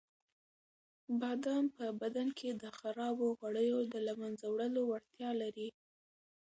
بادام په بدن کې د خرابو غوړیو د له منځه وړلو وړتیا لري.